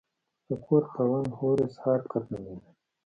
د کور خاوند هورس هارکر نومیده.